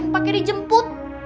ngapain pake dijemput